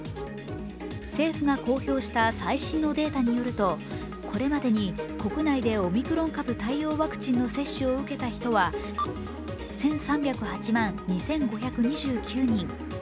政府が公表した最新のデータによるとこれまでに国内でオミクロン株対応ワクチンの接種を受けた人は１３０８万２５２９人。